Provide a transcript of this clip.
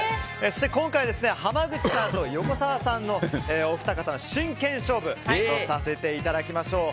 今回、濱口さんと横澤さんのお二方の真剣勝負とさせていただきましょう。